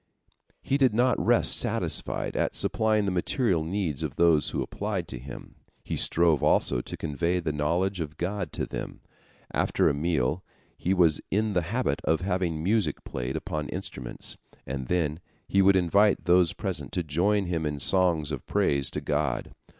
He did not rest satisfied at supplying the material needs of those who applied to him. He strove also to convey the knowledge of God to them. After a meal he was in the habit of having music played upon instruments, and then he would invite those present to join him in songs of praise to God.